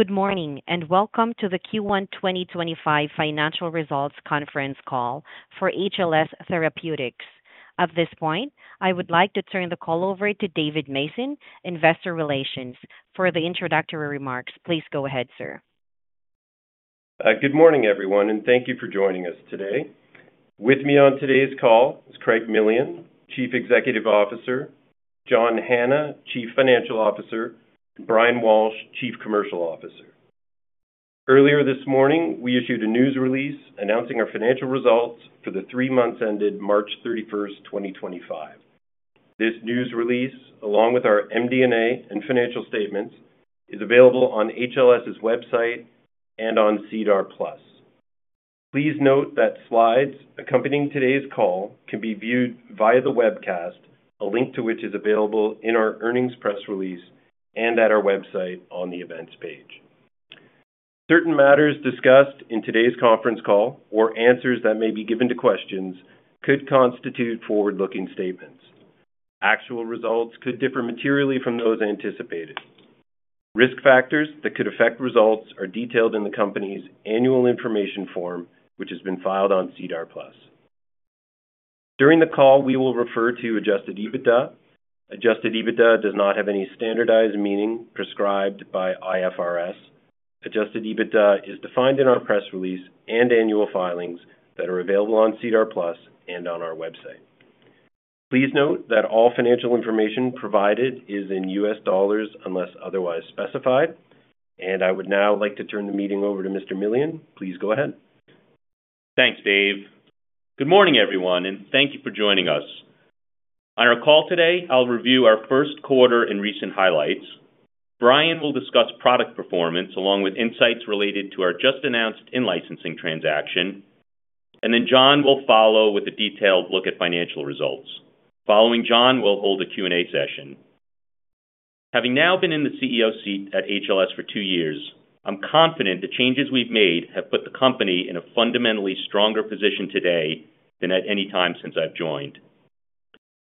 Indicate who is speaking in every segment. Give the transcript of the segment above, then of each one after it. Speaker 1: Good morning and welcome to the Q1 2025 financial results conference call for HLS Therapeutics. At this point, I would like to turn the call over to David Mason, Investor Relations. For the introductory remarks, please go ahead, sir.
Speaker 2: Good morning, everyone, and thank you for joining us today. With me on today's call is Craig Millian, Chief Executive Officer, John Hanna, Chief Financial Officer, Brian Walsh, Chief Commercial Officer. Earlier this morning, we issued a news release announcing our financial results for the three months ended March 31st, 2025. This news release, along with our MD&A and financial statements, is available on HLS's website and on SEDAR+. Please note that slides accompanying today's call can be viewed via the webcast, a link to which is available in our earnings press release and at our website on the events page. Certain matters discussed in today's conference call, or answers that may be given to questions, could constitute forward-looking statements. Actual results could differ materially from those anticipated. Risk factors that could affect results are detailed in the company's annual information form, which has been filed on SEDAR+. During the call, we will refer to adjusted EBITDA. Adjusted EBITDA does not have any standardized meaning prescribed by IFRS. Adjusted EBITDA is defined in our press release and annual filings that are available on SEDAR+ and on our website. Please note that all financial information provided is in U.S. dollars unless otherwise specified. I would now like to turn the meeting over to Mr. Millian. Please go ahead.
Speaker 3: Thanks, Dave. Good morning, everyone, and thank you for joining us. On our call today, I'll review our first quarter and recent highlights. Brian will discuss product performance along with insights related to our just-announced in-licensing transaction. John will follow with a detailed look at financial results. Following John, we'll hold a Q&A session. Having now been in the CEO seat at HLS for two years, I'm confident the changes we've made have put the company in a fundamentally stronger position today than at any time since I've joined.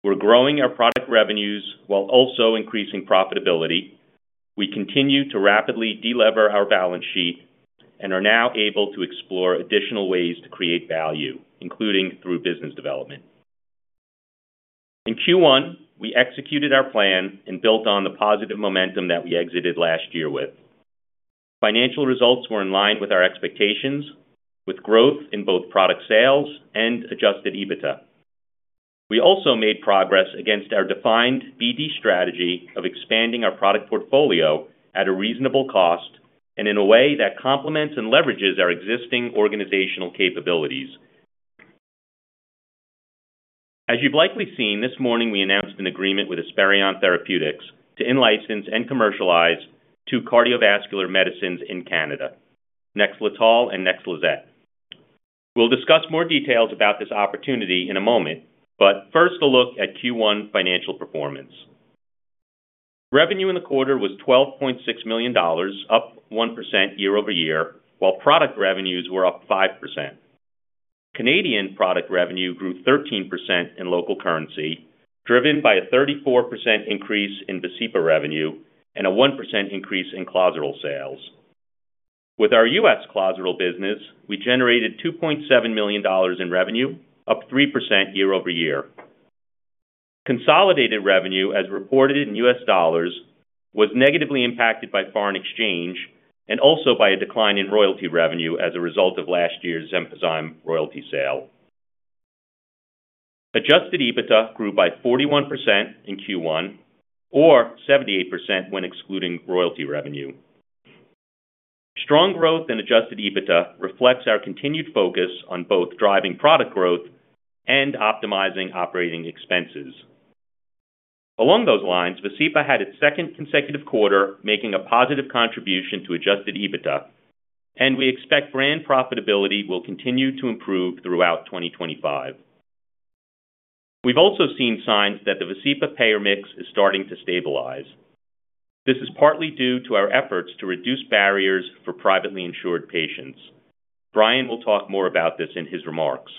Speaker 3: We're growing our product revenues while also increasing profitability. We continue to rapidly deliver our balance sheet and are now able to explore additional ways to create value, including through business development. In Q1, we executed our plan and built on the positive momentum that we exited last year with. Financial results were in line with our expectations, with growth in both product sales and adjusted EBITDA. We also made progress against our defined BD strategy of expanding our product portfolio at a reasonable cost and in a way that complements and leverages our existing organizational capabilities. As you've likely seen, this morning we announced an agreement with Esperion Therapeutics to in-license and commercialize two cardiovascular medicines in Canada: Nexletol and Nexlizet. We'll discuss more details about this opportunity in a moment, but first, a look at Q1 financial performance. Revenue in the quarter was $12.6 million, up 1% year-over-year, while product revenues were up 5%. Canadian product revenue grew 13% in local currency, driven by a 34% increase in Vascepa revenue and a 1% increase in Clozaril sales. With our U.S. Clozaril business, we generated $2.7 million in revenue, up 3% year-over-year. Consolidated revenue, as reported in U.S. dollars, was negatively impacted by foreign exchange and also by a decline in royalty revenue as a result of last year's Zempezime royalty sale. Adjusted EBITDA grew by 41% in Q1, or 78% when excluding royalty revenue. Strong growth in adjusted EBITDA reflects our continued focus on both driving product growth and optimizing operating expenses. Along those lines, Vascepa had its second consecutive quarter making a positive contribution to adjusted EBITDA, and we expect brand profitability will continue to improve throughout 2025. We've also seen signs that the Vascepa payer mix is starting to stabilize. This is partly due to our efforts to reduce barriers for privately insured patients. Brian will talk more about this in his remarks.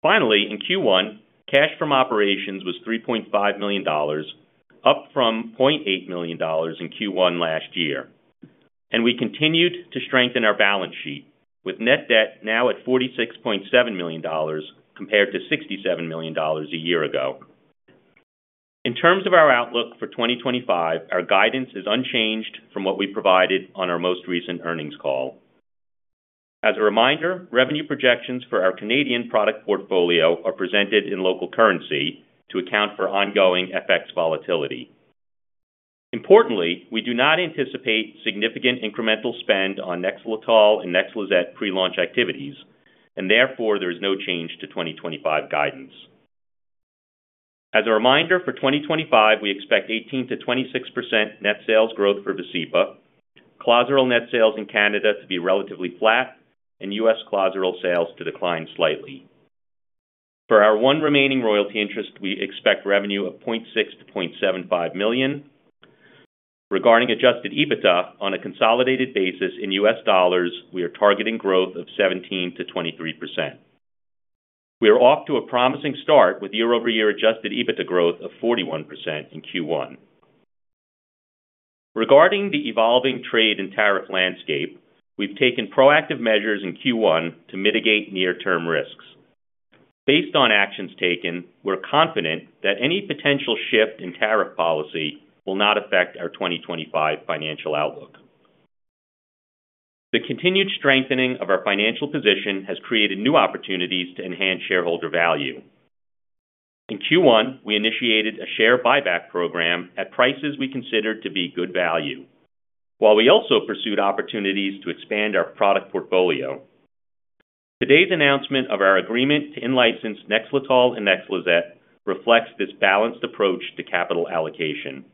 Speaker 3: Finally, in Q1, cash from operations was $3.5 million, up from $0.8 million in Q1 last year. We continued to strengthen our balance sheet, with net debt now at $46.7 million compared to $67 million a year ago. In terms of our outlook for 2025, our guidance is unchanged from what we provided on our most recent earnings call. As a reminder, revenue projections for our Canadian product portfolio are presented in local currency to account for ongoing FX volatility. Importantly, we do not anticipate significant incremental spend on Nexletol and Nexlizet pre-launch activities, and therefore there is no change to 2025 guidance. As a reminder, for 2025, we expect 18%-26% net sales growth for Vascepa, Clozaril net sales in Canada to be relatively flat, and U.S. Clozaril sales to decline slightly. For our one remaining royalty interest, we expect revenue of $0.6-$0.75 million. Regarding adjusted EBITDA, on a consolidated basis in U.S. dollars, we are targeting growth of 17%-23%. We are off to a promising start with year-over-year adjusted EBITDA growth of 41% in Q1. Regarding the evolving trade and tariff landscape, we've taken proactive measures in Q1 to mitigate near-term risks. Based on actions taken, we're confident that any potential shift in tariff policy will not affect our 2025 financial outlook. The continued strengthening of our financial position has created new opportunities to enhance shareholder value. In Q1, we initiated a share buyback program at prices we considered to be good value, while we also pursued opportunities to expand our product portfolio. Today's announcement of our agreement to in-license Nexletol and Nexlizet reflects this balanced approach to capital allocation.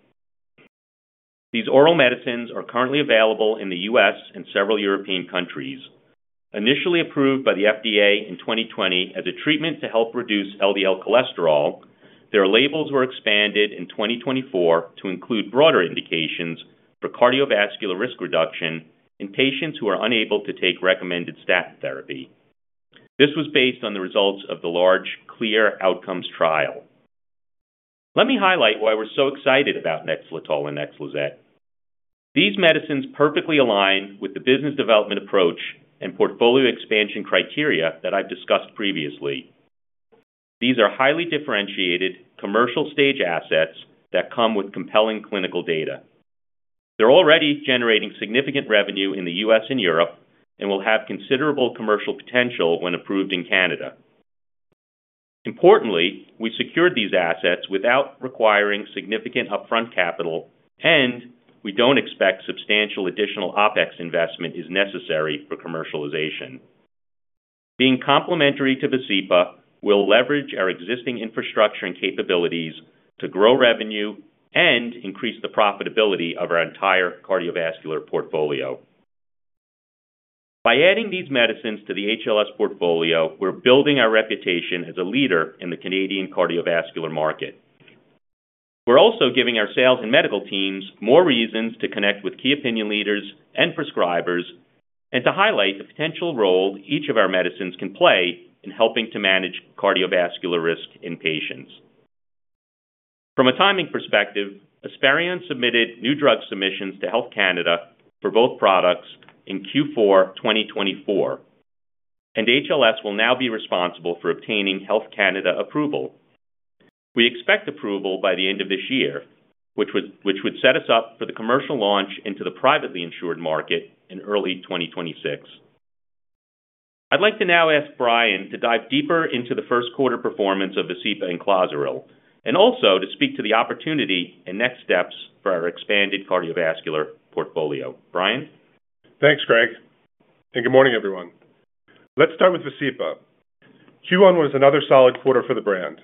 Speaker 3: These oral medicines are currently available in the U.S. and several European countries. Initially approved by the FDA in 2020 as a treatment to help reduce LDL cholesterol, their labels were expanded in 2024 to include broader indications for cardiovascular risk reduction in patients who are unable to take recommended statin therapy. This was based on the results of the large CLEAR Outcomes Trial. Let me highlight why we're so excited about Nexletol and Nexlizet. These medicines perfectly align with the business development approach and portfolio expansion criteria that I've discussed previously. These are highly differentiated commercial-stage assets that come with compelling clinical data. They're already generating significant revenue in the U.S. and Europe and will have considerable commercial potential when approved in Canada. Importantly, we secured these assets without requiring significant upfront capital, and we don't expect substantial additional OPEX investment is necessary for commercialization. Being complementary to Vascepa, we'll leverage our existing infrastructure and capabilities to grow revenue and increase the profitability of our entire cardiovascular portfolio. By adding these medicines to the HLS portfolio, we're building our reputation as a leader in the Canadian cardiovascular market. We're also giving our sales and medical teams more reasons to connect with key opinion leaders and prescribers and to highlight the potential role each of our medicines can play in helping to manage cardiovascular risk in patients. From a timing perspective, Esperion submitted new drug submissions to Health Canada for both products in Q4 2024, and HLS will now be responsible for obtaining Health Canada approval. We expect approval by the end of this year, which would set us up for the commercial launch into the privately insured market in early 2026. I'd like to now ask Brian to dive deeper into the first quarter performance of Vascepa and Clozaril, and also to speak to the opportunity and next steps for our expanded cardiovascular portfolio. Brian?
Speaker 4: Thanks, Craig. Good morning, everyone. Let's start with Vascepa. Q1 was another solid quarter for the brand.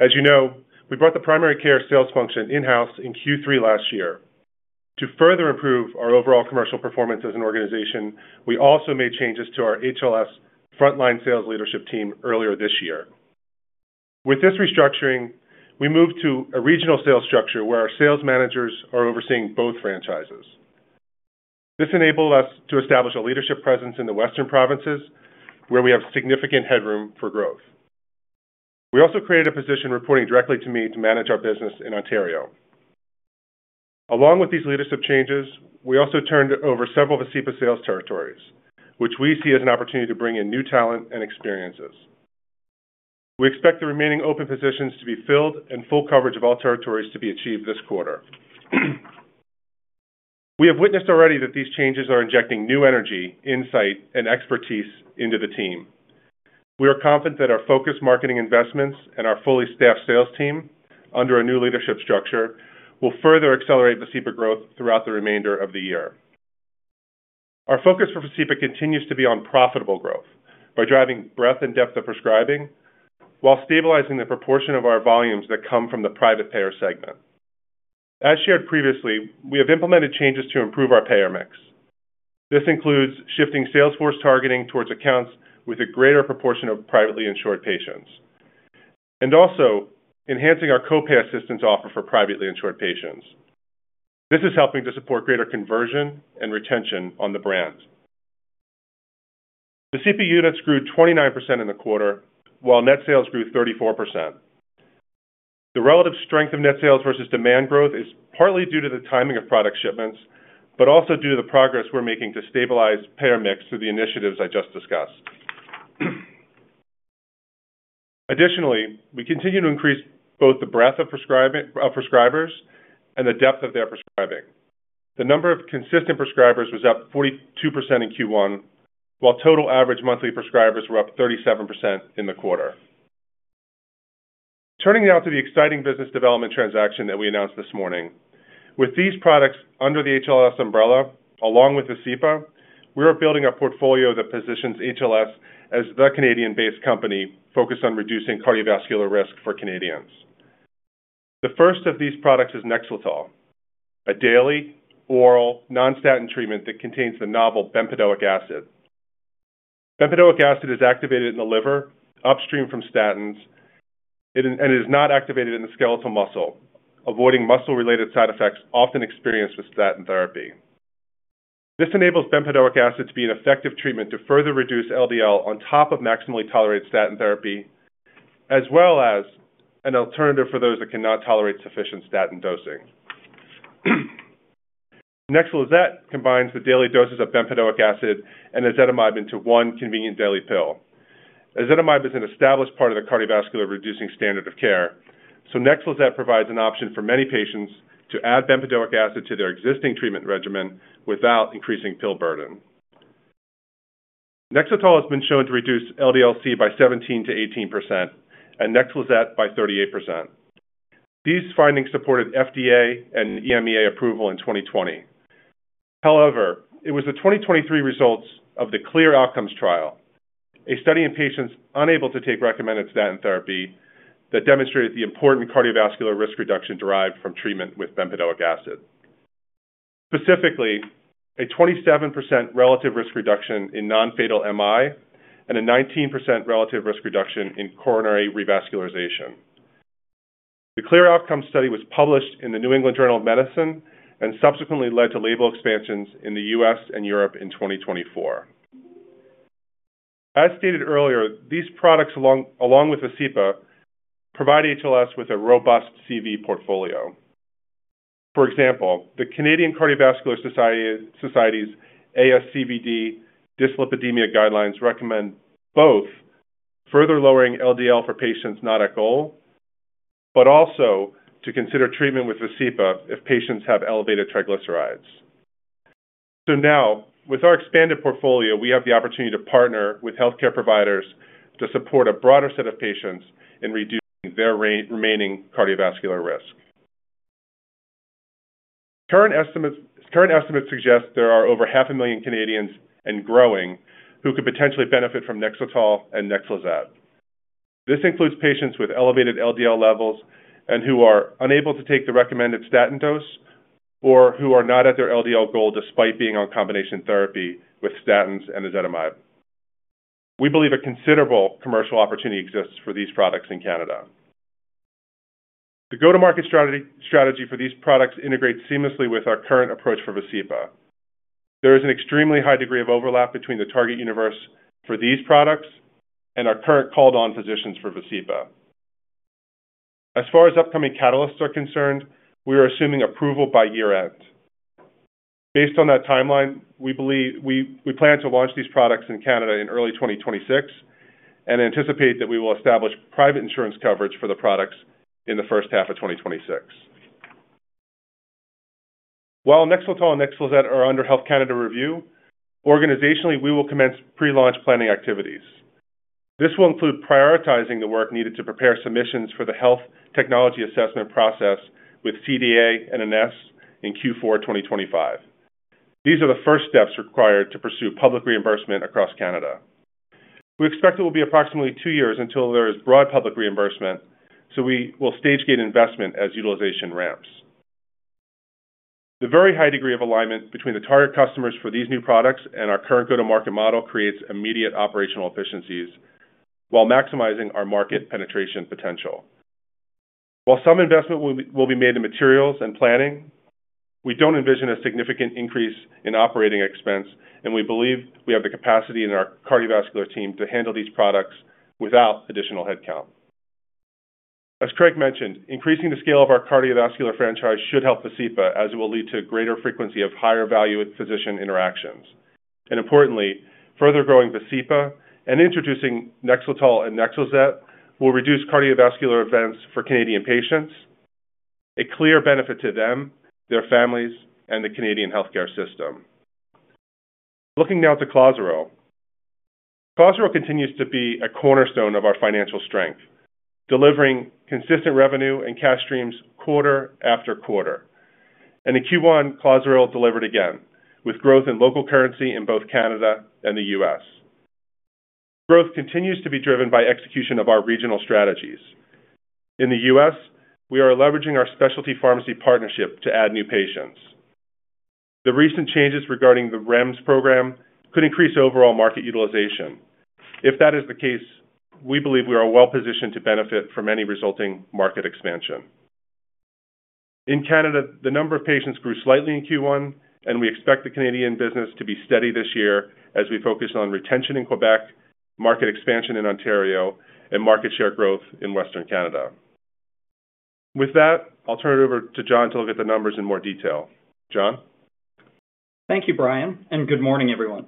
Speaker 4: As you know, we brought the primary care sales function in-house in Q3 last year. To further improve our overall commercial performance as an organization, we also made changes to our HLS frontline sales leadership team earlier this year. With this restructuring, we moved to a regional sales structure where our sales managers are overseeing both franchises. This enabled us to establish a leadership presence in the western provinces, where we have significant headroom for growth. We also created a position reporting directly to me to manage our business in Ontario. Along with these leadership changes, we also turned over several Vascepa sales territories, which we see as an opportunity to bring in new talent and experiences. We expect the remaining open positions to be filled and full coverage of all territories to be achieved this quarter. We have witnessed already that these changes are injecting new energy, insight, and expertise into the team. We are confident that our focused marketing investments and our fully staffed sales team under a new leadership structure will further accelerate Vascepa growth throughout the remainder of the year. Our focus for Vascepa continues to be on profitable growth by driving breadth and depth of prescribing while stabilizing the proportion of our volumes that come from the private payer segment. As shared previously, we have implemented changes to improve our payer mix. This includes shifting Salesforce targeting towards accounts with a greater proportion of privately insured patients and also enhancing our copay assistance offer for privately insured patients. This is helping to support greater conversion and retention on the brand. Vascepa units grew 29% in the quarter, while net sales grew 34%. The relative strength of net sales versus demand growth is partly due to the timing of product shipments, but also due to the progress we're making to stabilize payer mix through the initiatives I just discussed. Additionally, we continue to increase both the breadth of prescribers and the depth of their prescribing. The number of consistent prescribers was up 42% in Q1, while total average monthly prescribers were up 37% in the quarter. Turning now to the exciting business development transaction that we announced this morning. With these products under the HLS umbrella, along with Vascepa, we are building a portfolio that positions HLS as the Canadian-based company focused on reducing cardiovascular risk for Canadians. The first of these products is Nexletol, a daily oral non-statin treatment that contains the novel bempedoic acid. Bempedoic acid is activated in the liver upstream from statins, and it is not activated in the skeletal muscle, avoiding muscle-related side effects often experienced with statin therapy. This enables bempedoic acid to be an effective treatment to further reduce LDL on top of maximally tolerated statin therapy, as well as an alternative for those that cannot tolerate sufficient statin dosing. Nexlizet combines the daily doses of bempedoic acid and ezetimibe into one convenient daily pill. Ezetimibe is an established part of the cardiovascular reducing standard of care, so Nexlizet provides an option for many patients to add bempedoic acid to their existing treatment regimen without increasing pill burden. Nexletol has been shown to reduce LDL-C by 17%-18% and Nexlizet by 38%. These findings supported FDA and EMEA approval in 2020. However, it was the 2023 results of the CLEAR Outcomes Trial, a study in patients unable to take recommended statin therapy, that demonstrated the important cardiovascular risk reduction derived from treatment with bempedoic acid. Specifically, a 27% relative risk reduction in non-fatal MI and a 19% relative risk reduction in coronary revascularization. The CLEAR Outcomes Study was published in the New England Journal of Medicine and subsequently led to label expansions in the U.S. and Europe in 2024. As stated earlier, these products, along with Vascepa, provide HLS with a robust CV portfolio. For example, the Canadian Cardiovascular Society's ASCVD dyslipidemia guidelines recommend both further lowering LDL for patients not at goal, but also to consider treatment with Vascepa if patients have elevated triglycerides. Now, with our expanded portfolio, we have the opportunity to partner with healthcare providers to support a broader set of patients in reducing their remaining cardiovascular risk. Current estimates suggest there are over 500,000 Canadians, and growing, who could potentially benefit from Nexletol and Nexlizet. This includes patients with elevated LDL levels and who are unable to take the recommended statin dose or who are not at their LDL goal despite being on combination therapy with statins and ezetimibe. We believe a considerable commercial opportunity exists for these products in Canada. The go-to-market strategy for these products integrates seamlessly with our current approach for Vascepa. There is an extremely high degree of overlap between the target universe for these products and our current call-on physicians for Vascepa. As far as upcoming catalysts are concerned, we are assuming approval by year-end. Based on that timeline, we plan to launch these products in Canada in early 2026 and anticipate that we will establish private insurance coverage for the products in the first half of 2026. While Nexletol and Nexlizet are under Health Canada review, organizationally, we will commence pre-launch planning activities. This will include prioritizing the work needed to prepare submissions for the health technology assessment process with CDA and INS in Q4 2025. These are the first steps required to pursue public reimbursement across Canada. We expect it will be approximately two years until there is broad public reimbursement, so we will stage gain investment as utilization ramps. The very high degree of alignment between the target customers for these new products and our current go-to-market model creates immediate operational efficiencies while maximizing our market penetration potential. While some investment will be made in materials and planning, we do not envision a significant increase in operating expense, and we believe we have the capacity in our cardiovascular team to handle these products without additional headcount. As Craig mentioned, increasing the scale of our cardiovascular franchise should help Vascepa, as it will lead to a greater frequency of higher-value physician interactions. Importantly, further growing Vascepa and introducing Nexletol and Nexlizet will reduce cardiovascular events for Canadian patients, a clear benefit to them, their families, and the Canadian healthcare system. Looking now to Clozaril. Clozaril continues to be a cornerstone of our financial strength, delivering consistent revenue and cash streams quarter after quarter. In Q1, Clozaril delivered again, with growth in local currency in both Canada and the U.S. Growth continues to be driven by execution of our regional strategies. In the U.S., we are leveraging our specialty pharmacy partnership to add new patients. The recent changes regarding the REMS program could increase overall market utilization. If that is the case, we believe we are well-positioned to benefit from any resulting market expansion. In Canada, the number of patients grew slightly in Q1, and we expect the Canadian business to be steady this year as we focus on retention in Quebec, market expansion in Ontario, and market share growth in western Canada. With that, I'll turn it over to John to look at the numbers in more detail. John?
Speaker 5: Thank you, Brian, and good morning, everyone.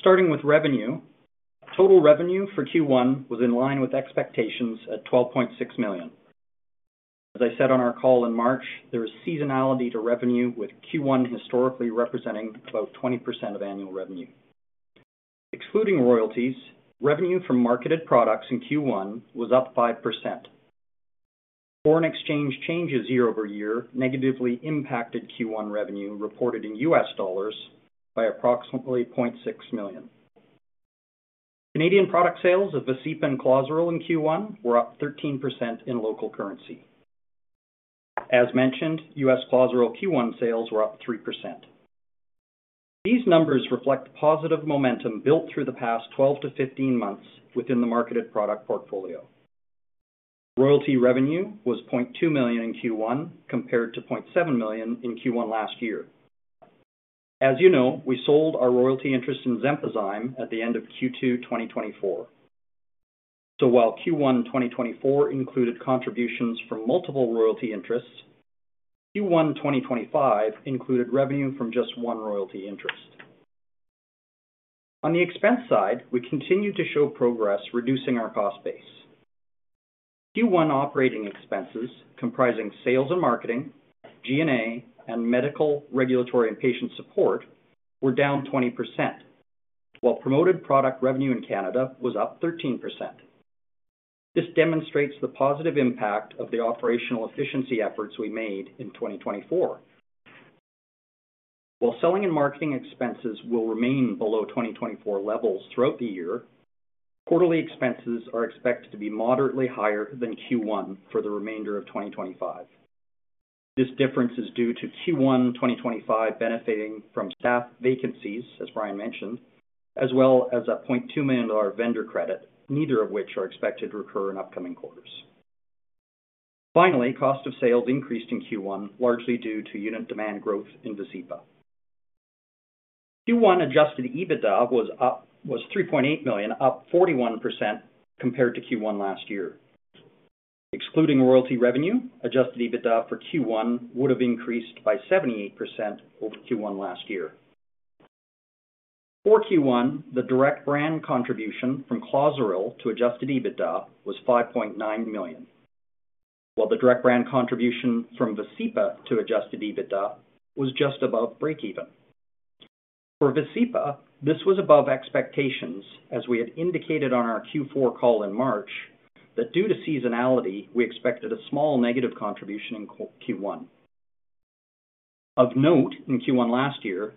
Speaker 5: Starting with revenue, total revenue for Q1 was in line with expectations at $12.6 million. As I said on our call in March, there is seasonality to revenue, with Q1 historically representing about 20% of annual revenue. Excluding royalties, revenue from marketed products in Q1 was up 5%. Foreign exchange changes year-over-year negatively impacted Q1 revenue reported in U.S. dollars by approximately $0.6 million. Canadian product sales of Vascepa and Clozaril in Q1 were up 13% in local currency. As mentioned, U.S. Clozaril Q1 sales were up 3%. These numbers reflect positive momentum built through the past 12 to 15 months within the marketed product portfolio. Royalty revenue was $0.2 million in Q1 compared to $0.7 million in Q1 last year. As you know, we sold our royalty interest in Zempezime at the end of Q2 2024. While Q1 2024 included contributions from multiple royalty interests, Q1 2025 included revenue from just one royalty interest. On the expense side, we continue to show progress reducing our cost base. Q1 operating expenses, comprising sales and marketing, G&A, and medical, regulatory, and patient support, were down 20%, while promoted product revenue in Canada was up 13%. This demonstrates the positive impact of the operational efficiency efforts we made in 2024. While selling and marketing expenses will remain below 2024 levels throughout the year, quarterly expenses are expected to be moderately higher than Q1 for the remainder of 2025. This difference is due to Q1 2025 benefiting from staff vacancies, as Brian mentioned, as well as a $0.2 million vendor credit, neither of which are expected to recur in upcoming quarters. Finally, cost of sales increased in Q1, largely due to unit demand growth in Vascepa. Q1 adjusted EBITDA was up $3.8 million, up 41% compared to Q1 last year. Excluding royalty revenue, adjusted EBITDA for Q1 would have increased by 78% over Q1 last year. For Q1, the direct brand contribution from Clozaril to adjusted EBITDA was $5.9 million, while the direct brand contribution from Vascepa to adjusted EBITDA was just above breakeven. For Vascepa, this was above expectations, as we had indicated on our Q4 call in March that due to seasonality, we expected a small negative contribution in Q1. Of note, in Q1 last year,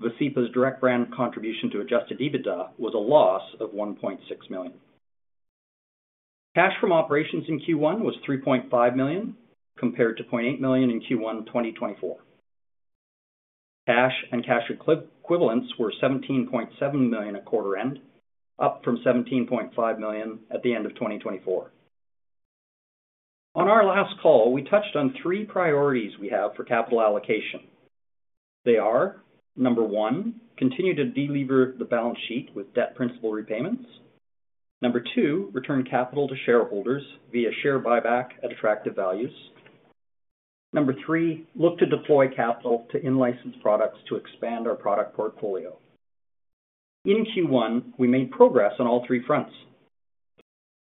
Speaker 5: Vascepa's direct brand contribution to adjusted EBITDA was a loss of $1.6 million. Cash from operations in Q1 was $3.5 million compared to $0.8 million in Q1 2024. Cash and cash equivalents were $7.7 million at quarter-end, up from $17.5 million at the end of 2024. On our last call, we touched on three priorities we have for capital allocation. They are, number one, continue to deliver the balance sheet with debt principal repayments. Number two, return capital to shareholders via share buyback at attractive values. Number three, look to deploy capital to in-licensed products to expand our product portfolio. In Q1, we made progress on all three fronts.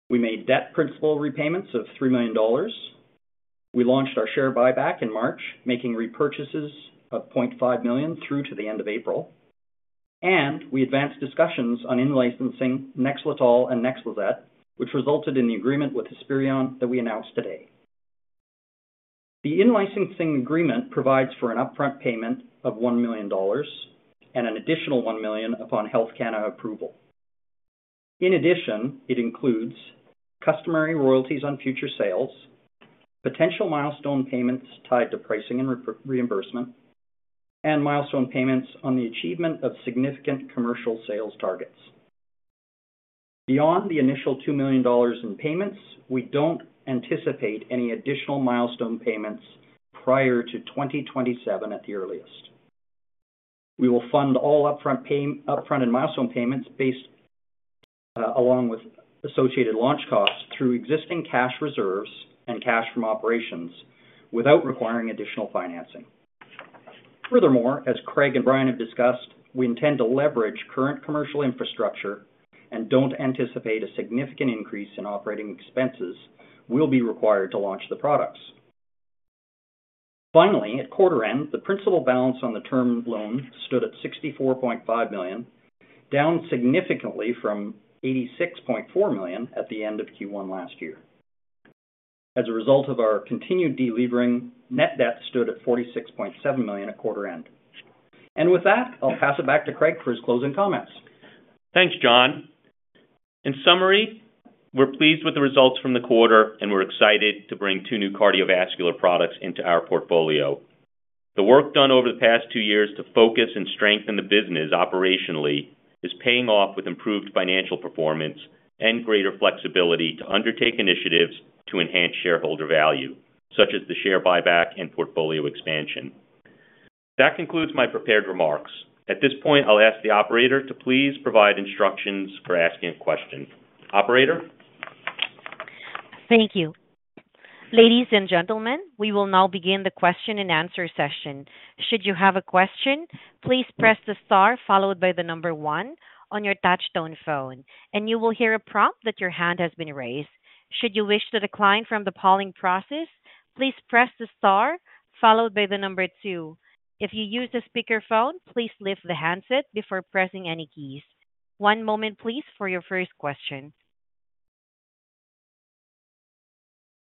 Speaker 5: We made debt principal repayments of $3 million. We launched our share buyback in March, making repurchases of $500,000 through to the end of April. We advanced discussions on in-licensing Nexletol and Nexlizet, which resulted in the agreement with Esperion that we announced today. The in-licensing agreement provides for an upfront payment of $1 million and an additional $1 million upon Health Canada approval. In addition, it includes customary royalties on future sales, potential milestone payments tied to pricing and reimbursement, and milestone payments on the achievement of significant commercial sales targets. Beyond the initial $2 million in payments, we don't anticipate any additional milestone payments prior to 2027 at the earliest. We will fund all upfront and milestone payments along with associated launch costs through existing cash reserves and cash from operations without requiring additional financing. Furthermore, as Craig and Brian have discussed, we intend to leverage current commercial infrastructure and don't anticipate a significant increase in operating expenses will be required to launch the products. Finally, at quarter-end, the principal balance on the term loan stood at $64.5 million, down significantly from $86.4 million at the end of Q1 last year. As a result of our continued delivering, net debt stood at $46.7 million at quarter-end. With that, I'll pass it back to Craig for his closing comments.
Speaker 3: Thanks, John. In summary, we're pleased with the results from the quarter, and we're excited to bring two new cardiovascular products into our portfolio. The work done over the past two years to focus and strengthen the business operationally is paying off with improved financial performance and greater flexibility to undertake initiatives to enhance shareholder value, such as the share buyback and portfolio expansion. That concludes my prepared remarks. At this point, I'll ask the operator to please provide instructions for asking a question. Operator?
Speaker 1: Thank you. Ladies and gentlemen, we will now begin the question-and-answer session. Should you have a question, please press the star followed by the number one on your touch-tone phone, and you will hear a prompt that your hand has been raised. Should you wish to decline from the polling process, please press the star followed by the number two. If you use a speakerphone, please lift the handset before pressing any keys. One moment, please, for your first question.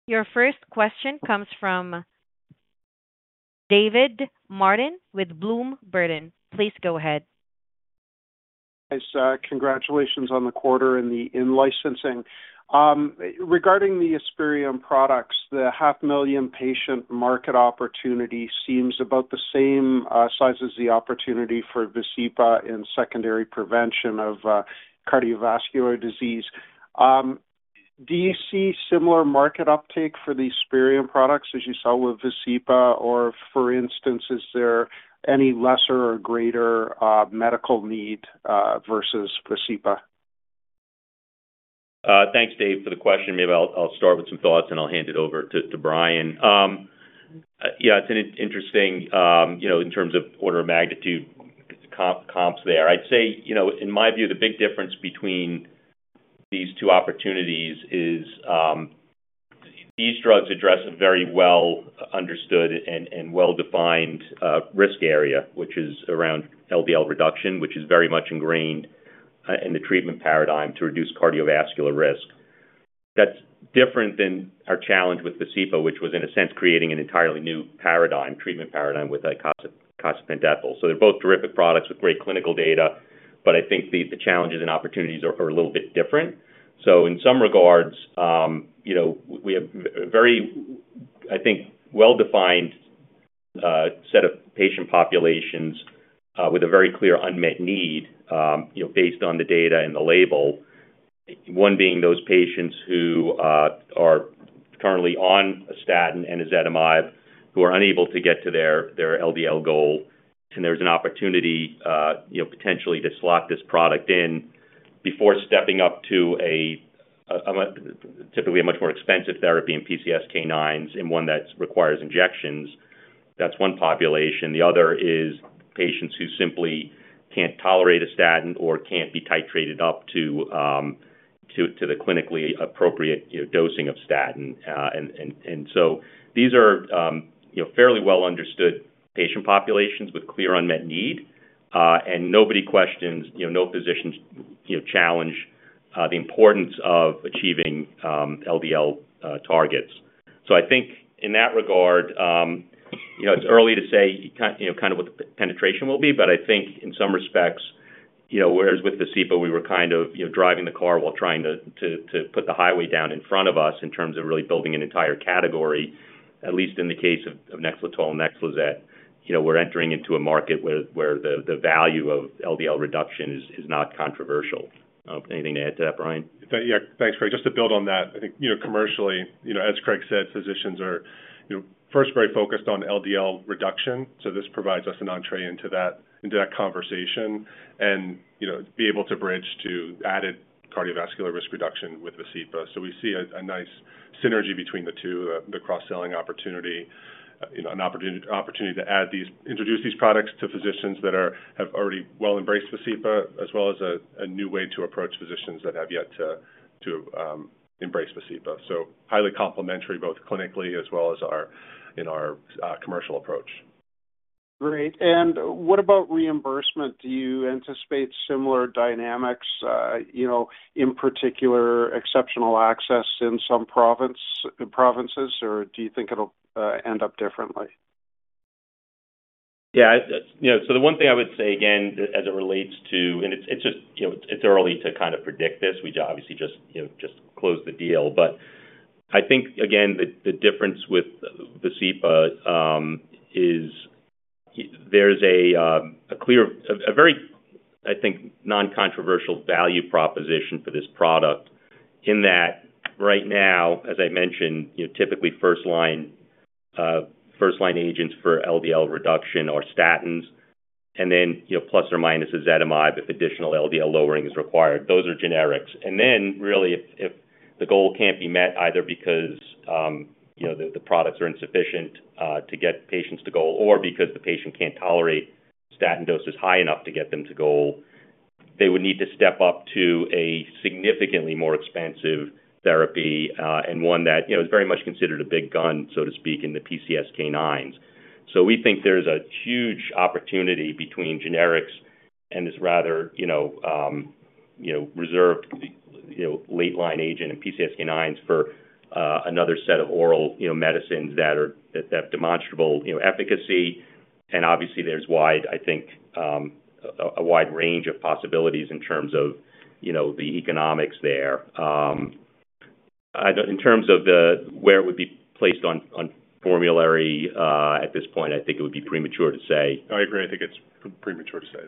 Speaker 1: Your first question comes from David Martin with Bloom Burton. Please go ahead.
Speaker 6: Thanks. Congratulations on the quarter in the in-licensing. Regarding the Esperion products, the 500,000 patient market opportunity seems about the same size as the opportunity for Vascepa in secondary prevention of cardiovascular disease. Do you see similar market uptake for the Esperion products as you saw with Vascepa, or, for instance, is there any lesser or greater medical need versus Vascepa?
Speaker 3: Thanks, Dave, for the question. Maybe I'll start with some thoughts, and I'll hand it over to Brian. Yeah, it's interesting in terms of order of magnitude comps there. I'd say, in my view, the big difference between these two opportunities is these drugs address a very well-understood and well-defined risk area, which is around LDL reduction, which is very much ingrained in the treatment paradigm to reduce cardiovascular risk. That's different than our challenge with Vascepa, which was, in a sense, creating an entirely new treatment paradigm with icosapent ethyl. They're both terrific products with great clinical data, but I think the challenges and opportunities are a little bit different. In some regards, we have a very, I think, well-defined set of patient populations with a very clear unmet need based on the data and the label, one being those patients who are currently on a statin and ezetimibe who are unable to get to their LDL goal, and there's an opportunity potentially to slot this product in before stepping up to typically a much more expensive therapy in PCSK9s and one that requires injections. That's one population. The other is patients who simply can't tolerate a statin or can't be titrated up to the clinically appropriate dosing of statin. These are fairly well-understood patient populations with clear unmet need, and nobody questions, no physicians challenge the importance of achieving LDL targets. I think in that regard, it's early to say kind of what the penetration will be, but I think in some respects, whereas with Vascepa, we were kind of driving the car while trying to put the highway down in front of us in terms of really building an entire category, at least in the case of Nexletol and Nexlizet, we're entering into a market where the value of LDL reduction is not controversial. Anything to add to that, Brian?
Speaker 4: Yeah, thanks, Craig. Just to build on that, I think commercially, as Craig said, physicians are first very focused on LDL reduction, so this provides us an entrée into that conversation and be able to bridge to added cardiovascular risk reduction with Vascepa. We see a nice synergy between the two, the cross-selling opportunity, an opportunity to introduce these products to physicians that have already well embraced Vascepa, as well as a new way to approach physicians that have yet to embrace Vascepa. Highly complementary, both clinically as well as in our commercial approach.
Speaker 6: Great. What about reimbursement? Do you anticipate similar dynamics, in particular exceptional access in some provinces, or do you think it'll end up differently?
Speaker 3: Yeah. The one thing I would say again as it relates to, and it's early to kind of predict this. We obviously just closed the deal. I think, again, the difference with Vascepa is there's a clear, a very, I think, non-controversial value proposition for this product in that right now, as I mentioned, typically first-line agents for LDL reduction are statins, and then plus or minus ezetimibe if additional LDL lowering is required. Those are generics. Really, if the goal can't be met either because the products are insufficient to get patients to goal or because the patient can't tolerate statin doses high enough to get them to goal, they would need to step up to a significantly more expensive therapy and one that is very much considered a big gun, so to speak, in the PCSK9s. We think there's a huge opportunity between generics and this rather reserved late-line agent in PCSK9s for another set of oral medicines that have demonstrable efficacy. Obviously, there's a wide range of possibilities in terms of the economics there. In terms of where it would be placed on formulary at this point, I think it would be premature to say.
Speaker 4: I agree. I think it's premature to say.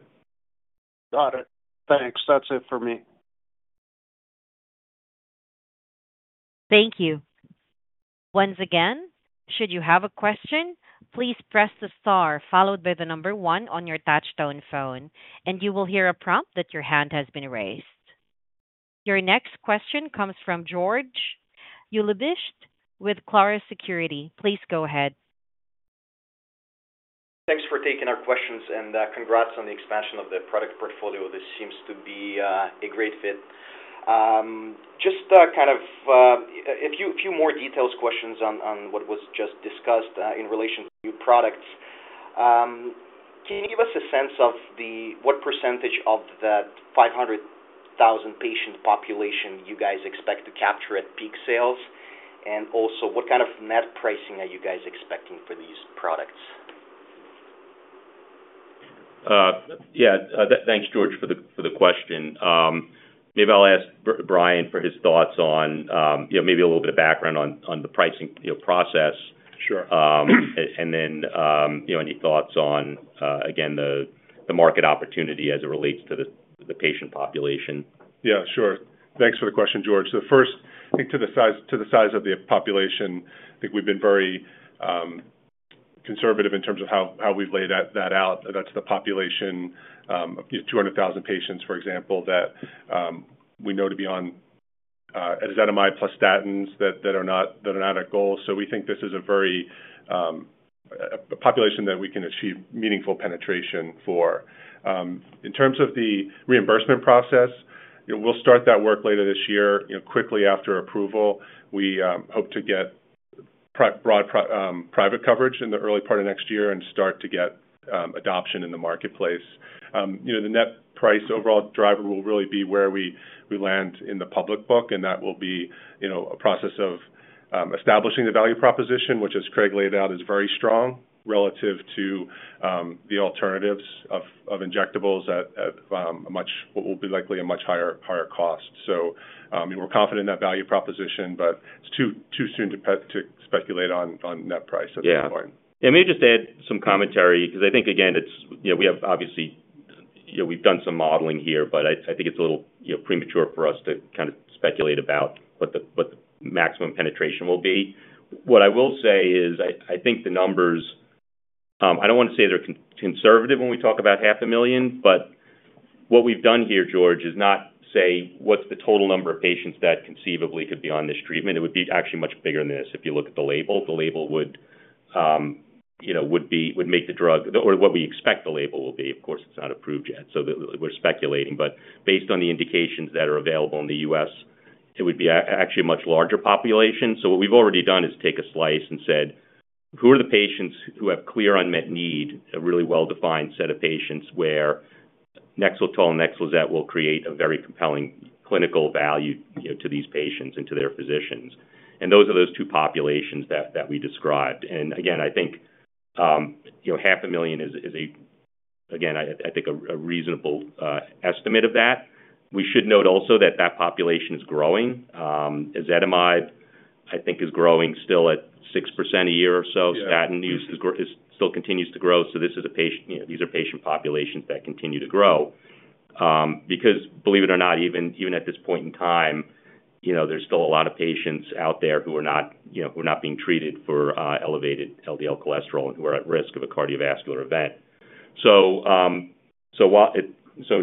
Speaker 6: Got it. Thanks. That's it for me.
Speaker 1: Thank you. Once again, should you have a question, please press the star followed by the number one on your touch-tone phone, and you will hear a prompt that your hand has been raised. Your next question comes from George Ulybyshev with Clarus Securities. Please go ahead.
Speaker 7: Thanks for taking our questions, and congrats on the expansion of the product portfolio. This seems to be a great fit. Just kind of a few more details questions on what was just discussed in relation to new products. Can you give us a sense of what percentage of that 500,000 patient population you guys expect to capture at peak sales? Also, what kind of net pricing are you guys expecting for these products?
Speaker 3: Yeah. Thanks, George, for the question. Maybe I'll ask Brian for his thoughts on maybe a little bit of background on the pricing process and then any thoughts on, again, the market opportunity as it relates to the patient population.
Speaker 4: Yeah, sure. Thanks for the question, George. First, I think to the size of the population, I think we've been very conservative in terms of how we've laid that out. That's the population of 200,000 patients, for example, that we know to be on ezetimibe plus statins that are not at goal. We think this is a population that we can achieve meaningful penetration for. In terms of the reimbursement process, we'll start that work later this year. Quickly after approval, we hope to get broad private coverage in the early part of next year and start to get adoption in the marketplace. The net price overall driver will really be where we land in the public book, and that will be a process of establishing the value proposition, which, as Craig laid out, is very strong relative to the alternatives of injectables at what will be likely a much higher cost. We are confident in that value proposition, but it's too soon to speculate on net price at this point.
Speaker 3: Yeah. Maybe just add some commentary because I think, again, we have obviously done some modeling here, but I think it's a little premature for us to kind of speculate about what the maximum penetration will be. What I will say is I think the numbers—I don't want to say they're conservative when we talk about 500,000, but what we've done here, George, is not say what's the total number of patients that conceivably could be on this treatment. It would be actually much bigger than this if you look at the label. The label would make the drug, or what we expect the label will be. Of course, it's not approved yet, so we're speculating. Based on the indications that are available in the U.S., it would be actually a much larger population. What we have already done is take a slice and said, "Who are the patients who have clear unmet need, a really well-defined set of patients where Nexletol and Nexlizet will create a very compelling clinical value to these patients and to their physicians?" Those are those two populations that we described. I think 500,000 is, again, I think, a reasonable estimate of that. We should note also that that population is growing. Ezetimibe, I think, is growing still at 6% a year or so. Statin use still continues to grow. These are patient populations that continue to grow. Because believe it or not, even at this point in time, there are still a lot of patients out there who are not being treated for elevated LDL cholesterol and who are at risk of a cardiovascular event. In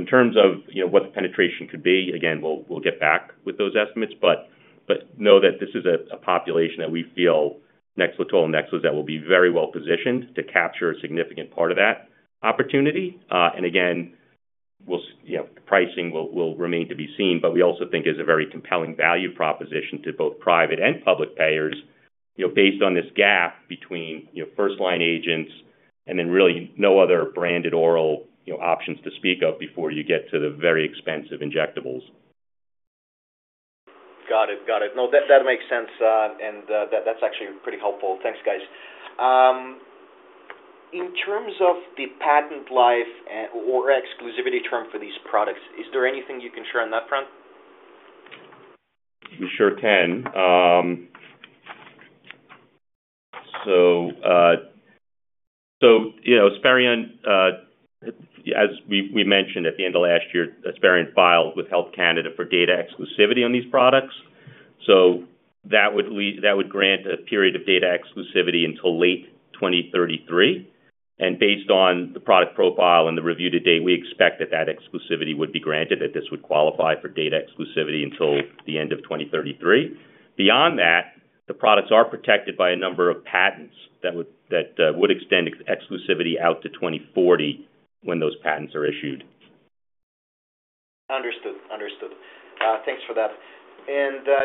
Speaker 3: terms of what the penetration could be, again, we'll get back with those estimates, but know that this is a population that we feel Nexletol and Nexlizet will be very well positioned to capture a significant part of that opportunity. Again, pricing will remain to be seen, but we also think it's a very compelling value proposition to both private and public payers based on this gap between first-line agents and then really no other branded oral options to speak of before you get to the very expensive injectables.
Speaker 7: Got it. Got it. No, that makes sense. And that's actually pretty helpful. Thanks, guys. In terms of the patent life or exclusivity term for these products, is there anything you can share on that front?
Speaker 3: You sure can. HLS Therapeutics, as we mentioned, at the end of last year, HLS Therapeutics filed with Health Canada for data exclusivity on these products. That would grant a period of data exclusivity until late 2033. Based on the product profile and the review to date, we expect that that exclusivity would be granted, that this would qualify for data exclusivity until the end of 2033. Beyond that, the products are protected by a number of patents that would extend exclusivity out to 2040 when those patents are issued.
Speaker 7: Understood. Understood. Thanks for that.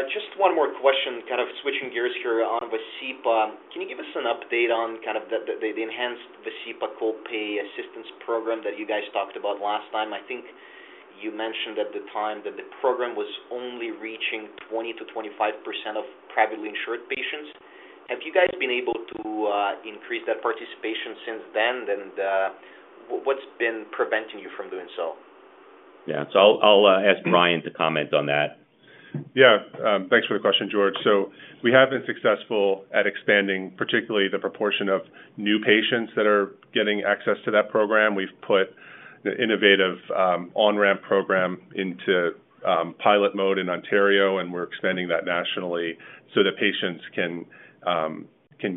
Speaker 7: Just one more question, kind of switching gears here on Vascepa. Can you give us an update on kind of the enhanced Vascepa copay assistance program that you guys talked about last time? I think you mentioned at the time that the program was only reaching 20-25% of privately insured patients. Have you guys been able to increase that participation since then? What's been preventing you from doing so?
Speaker 3: Yeah. I'll ask Brian to comment on that.
Speaker 4: Yeah. Thanks for the question, George. We have been successful at expanding, particularly the proportion of new patients that are getting access to that program. We've put the innovative on-ramp program into pilot mode in Ontario, and we're expanding that nationally so that patients can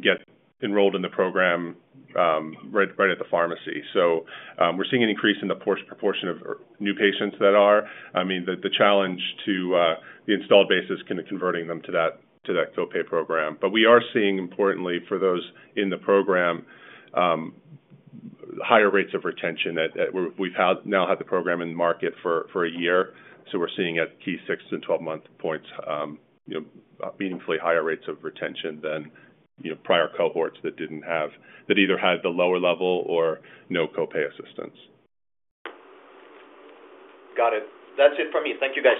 Speaker 4: get enrolled in the program right at the pharmacy. We're seeing an increase in the proportion of new patients that are. I mean, the challenge to the installed basis is kind of converting them to that copay program. We are seeing, importantly, for those in the program, higher rates of retention. We've now had the program in the market for a year. We're seeing at key 6- to 12-month points, meaningfully higher rates of retention than prior cohorts that either had the lower level or no copay assistance.
Speaker 7: Got it. That's it for me. Thank you, guys.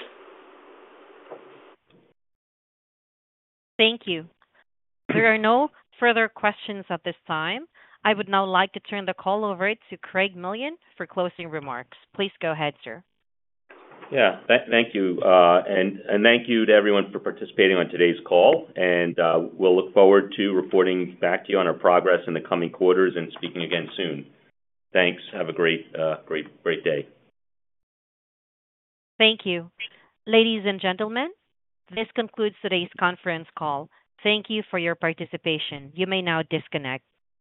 Speaker 1: Thank you. There are no further questions at this time. I would now like to turn the call over to Craig Millian for closing remarks. Please go ahead, sir.
Speaker 3: Yeah. Thank you. Thank you to everyone for participating on today's call. We look forward to reporting back to you on our progress in the coming quarters and speaking again soon. Thanks. Have a great day.
Speaker 1: Thank you. Ladies and gentlemen, this concludes today's conference call. Thank you for your participation. You may now disconnect.